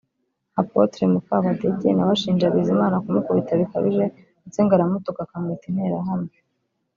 Apotre Mukabadege nawe ashinja Bizimana kumukubita bikabije ndetse ngo aramutuka akamwita interahamwe